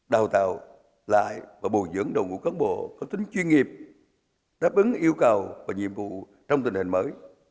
đào tạo lại và bồi dưỡng đồng ngũ cấn bộ có tính chuyên nghiệp đáp ứng yêu cầu và nhiệm vụ trong tình hình mới